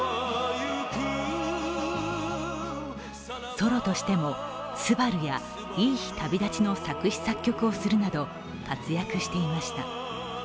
ソロとしても「昴−すばる−」や「いい日旅立ち」の作詞・作曲をするなど、活躍していました。